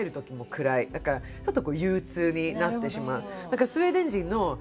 だからちょっと憂うつになってしまう。